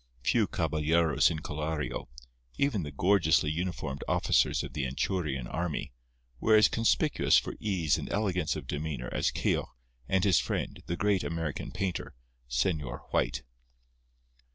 Few caballeros in Coralio—even the gorgeously uniformed officers of the Anchurian army—were as conspicuous for ease and elegance of demeanour as Keogh and his friend, the great American painter, Señor White.